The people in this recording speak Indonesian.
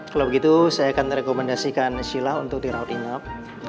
kalau begitu saya akan rekomendasikan sila untuk dirawat inap